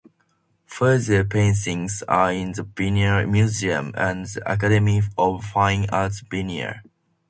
Further paintings are in the Vienna Museum and the Academy of Fine Arts Vienna.